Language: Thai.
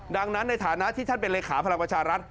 ดังนั้นในฐานะที่ท่านเป็นเลขาพลังประชารัฐ